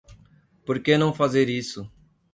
Por que não fazer isso